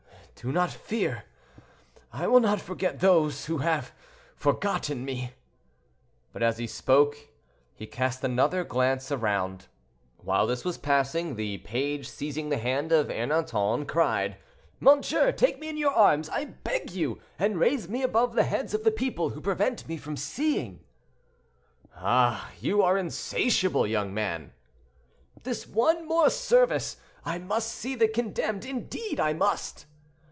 "Do not fear; I will not forget those who have forgotten me;" but as he spoke, he cast another glance around. While this was passing, the page, seizing the hand of Ernanton, cried, "Monsieur, take me in your arms, I beg you, and raise me above the heads of the people who prevent me from seeing." "Ah! you are insatiable, young man." "This one more service; I must see the condemned, indeed I must."